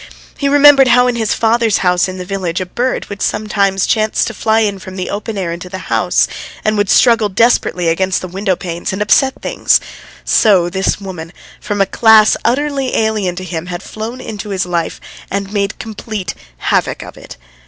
He remembered how in his father's house in the village a bird would sometimes chance to fly in from the open air into the house and would struggle desperately against the window panes and upset things; so this woman from a class utterly alien to him had flown into his life and made complete havoc of it.